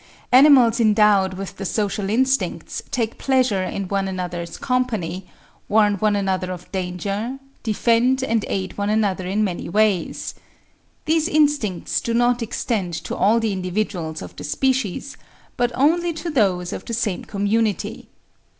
Animals endowed with the social instincts take pleasure in one another's company, warn one another of danger, defend and aid one another in many ways. These instincts do not extend to all the individuals of the species, but only to those of the same community.